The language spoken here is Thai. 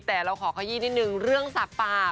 แต่เราขอไขยี่นิดหนึ่งเรื่องสักปาก